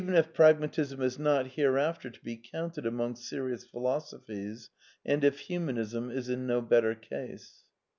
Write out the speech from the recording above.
if Pragmatism is not hereafter to be counted among \serious philosophies, and if Humanism is in no better \case.